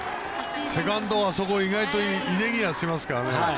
セカンド、あそこ意外とイレギュラーしますからね。